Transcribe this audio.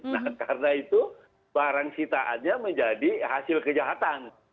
nah karena itu barang sitaannya menjadi hasil kejahatan